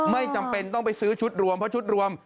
ไม่จำเป็นต้องไปซื้อชุดรวมเพราะชุดรวม